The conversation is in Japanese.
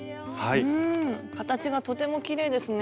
うん形がとてもきれいですね。